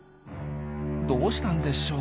どうしたんでしょう？